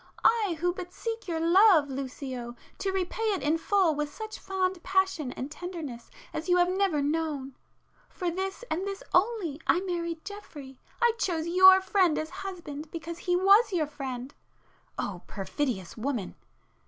—I who but seek your love, Lucio, to repay it in full with such fond passion and tenderness as you have never known! For this and this only, I married Geoffrey,—I chose your friend as husband because he was your friend!" (O perfidious woman!)